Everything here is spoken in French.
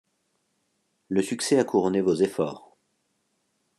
Le succès a couronné vos efforts.